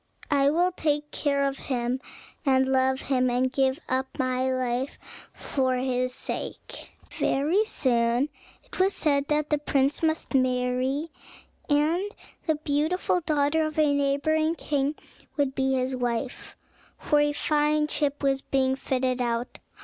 I will take care of him, and love him, and give up my life for his sake." Very soon it was said that the prince must marry, and that the beautiful daughter of a neighboring king would be his wife, for a fine ship was being fitted out.